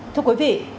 thưa quý vị